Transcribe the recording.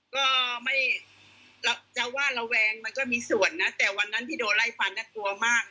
ก็ไม่จะว่าระแวงมันก็มีส่วนนะแต่วันนั้นที่โดนไล่ฟันน่ากลัวมาก